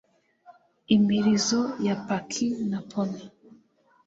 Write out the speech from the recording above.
Imirizo ya paki na pony